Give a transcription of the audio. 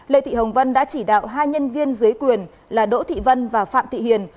lê thị hồng vân đã chỉ đạo hai nhân viên dưới quyền là đỗ thị vân và phạm thị hiền